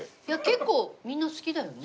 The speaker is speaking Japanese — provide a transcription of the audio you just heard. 結構みんな好きだよね。